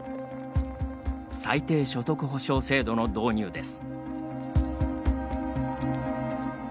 最低所得保障制度の導入です。